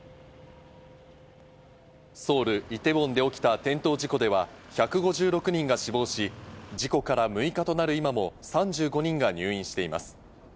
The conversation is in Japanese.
ソウル・イテウォンで起きた転倒事故では１５６人が死亡し、事故から６日となる今も、３５人が入院しています。